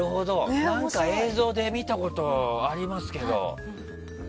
なんか映像で見たことありますけど。